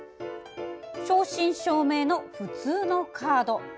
正真正銘の普通のカード。